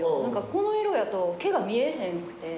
この色やと毛が見えへんくて。